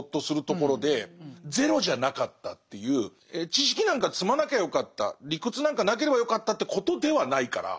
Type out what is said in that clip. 知識なんか積まなきゃよかった理屈なんかなければよかったってことではないから。